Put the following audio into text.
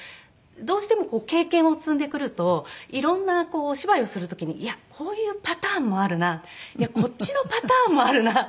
どうしても経験を積んでくると色んなお芝居をする時にいやこういうパターンもあるないやこっちのパターンもあるな。